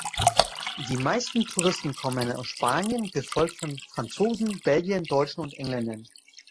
Die meisten Touristen kommen aus Spanien, gefolgt von Franzosen, Belgiern, Deutschen und Engländern.